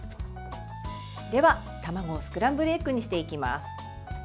では、卵をスクランブルエッグにしていきます。